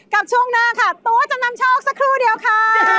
ช่วงหน้าค่ะตัวจำนำโชคสักครู่เดียวค่ะ